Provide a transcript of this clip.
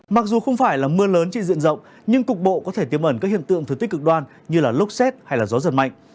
mặc dù không phải là mưa lớn chỉ diện rộng nhưng cục bộ có thể tiếm ẩn các hiện tượng thứ tích cực đoan như lốc xét hay gió giật mạnh